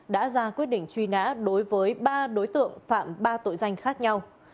đã ra quyết định truy nã đối với ba đối tượng phạm ba tội danh khác nhau